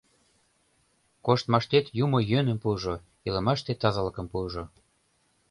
Коштмаштет юмо йӧным пуыжо, илымаште тазалыкым пуыжо.